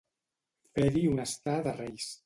Fer-hi un estar de reis.